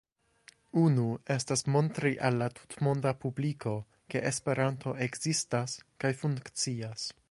Unu estas montri al la tutmonda publiko, ke Esperanto ekzistas kaj funkcias.